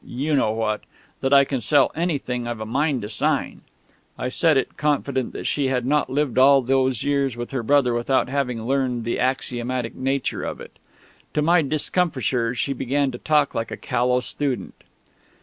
you know what... that I can sell anything I've a mind to sign." I said it, confident that she had not lived all those years with her brother without having learned the axiomatic nature of it. To my discomfiture, she began to talk like a callow student.